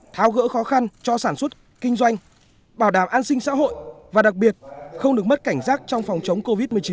tháo gỡ khó khăn cho sản xuất kinh doanh bảo đảm an sinh xã hội và đặc biệt không được mất cảnh giác trong phòng chống covid một mươi chín